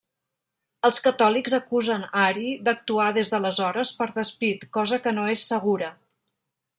Els catòlics acusen Ari d'actuar des d'aleshores per despit, cosa que no és segura.